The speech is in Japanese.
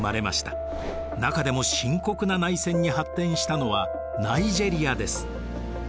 中でも深刻な内戦に発展したのはナイジェリアです。